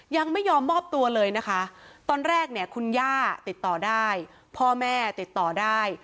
ยังไม่ยอมมอบตัวเลยนะคะตอนแรกเนี่ยคุณย่าติดต่อได้พ่อแม่ติดต่อได้